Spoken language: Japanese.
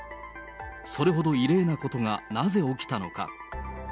それほど異例なことがなぜ起きたのか。